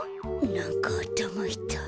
なんかあたまいたい。